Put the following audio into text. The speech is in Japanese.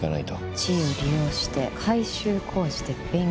地位を利用して改修工事で便宜。